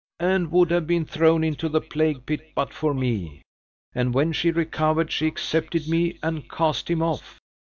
"And would have been thrown into the plague pit but for me. And when she recovered she accepted me and cast him off!"